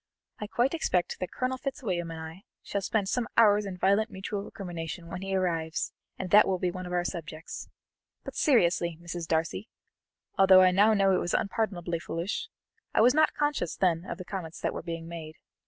"I quite expect that Colonel Fitzwilliam and I shall spend some hours in violent mutual recrimination when he arrives, and that will be one of our subjects. But, seriously, Mrs. Darcy, although I know now it was unpardonably foolish, I was not conscious then of the comments that were being made.